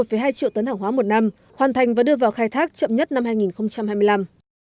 một hai triệu tấn hàng hóa một năm hoàn thành và đưa vào khai thác chậm nhất năm hai nghìn hai mươi năm